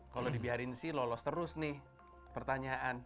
kalau dibiarin sih lolos terus nih pertanyaan